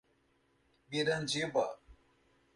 Mirandiba